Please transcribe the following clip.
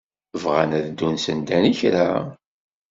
Bɣan ad ddun sanda n kra?